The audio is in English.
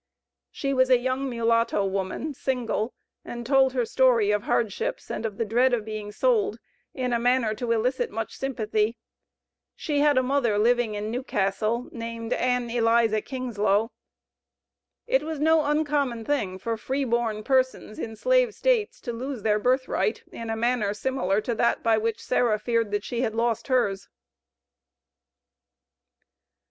She was a young mulatto woman, single, and told her story of hardships and of the dread of being sold, in a manner to elicit much sympathy. She had a mother living in New Castle, named Ann Eliza Kingslow. It was no uncommon thing for free born persons in slave States to lose their birth right in a manner similar to that by which Sarah feared that she had lost hers.